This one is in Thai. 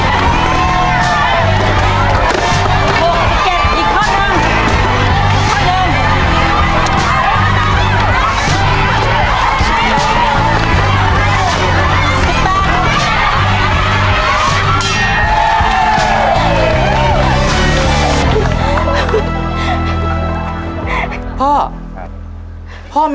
อันซ่อน